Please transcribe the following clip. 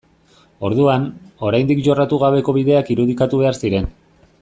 Orduan, oraindik jorratu gabeko bideak irudikatu behar ziren.